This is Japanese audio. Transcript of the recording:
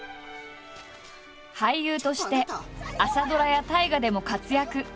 俳優として朝ドラや大河でも活躍。